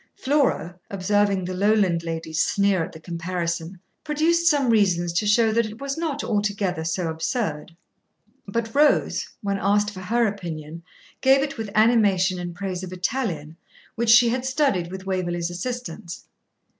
Flora, observing the Lowland ladies sneer at the comparison, produced some reasons to show that it was not altogether so absurd; but Rose, when asked for her opinion, gave it with animation in praise of Italian, which she had studied with Waverley's assistance.